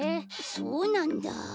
そうなんだ。